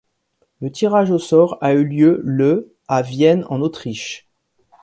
Le tirage au sort a eu lieu le à Vienne, en Autriche.